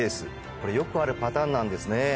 これよくあるパターンなんですね。